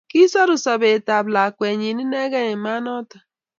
kisoru sobetab lakwenyin inegei Eng' maat noto